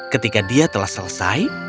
ketika dia telah selesai